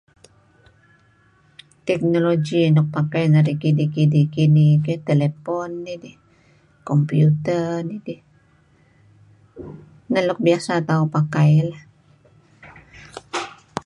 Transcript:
Teknologi nuk pakai narih kidih-kidih kinih keyh telepon nidih, komputer nidih. Neh luk biasa tauh pakai lah.